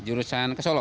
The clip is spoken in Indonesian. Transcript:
jurusan ke solo